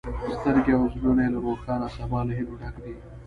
سترګې او زړونه یې له روښانه سبا له هیلو ډک دي.